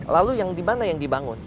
lalu yang di mana yang dibangun